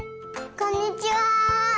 こんにちは。